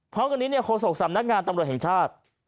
พร้อมกับนี้โฆษกษรรมนักงานตำรวจแห่งชาติ